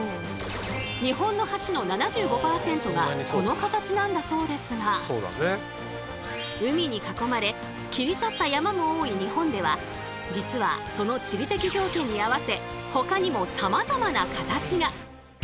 日本の橋の７５％がこの形なんだそうですが海に囲まれ切り立った山も多い日本では実はその地理的条件に合わせほかにもさまざまな形が。